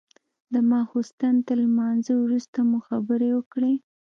د ماخستن تر لمانځه وروسته مو خبرې وكړې.